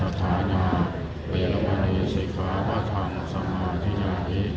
อธินาธาเวระมะนิสิขาปะทังสมาธิยามี